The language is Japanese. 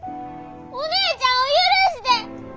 お姉ちゃんを許して！